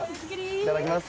いただきます。